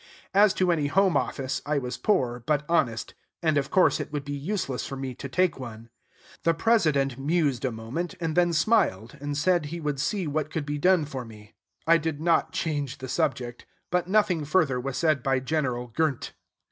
As to any home office, I was poor, but honest; and, of course, it would be useless for me to take one. The President mused a moment, and then smiled, and said he would see what could be done for me. I did not change the subject; but nothing further was said by General Gr nt.